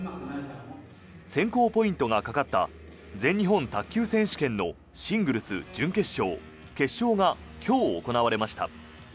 選考ポイントがかかった全日本卓球選手権のシングルス準決勝、決勝が今日行われました。